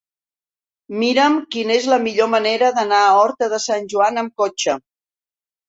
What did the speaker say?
Mira'm quina és la millor manera d'anar a Horta de Sant Joan amb cotxe.